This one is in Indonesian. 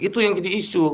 itu yang jadi isu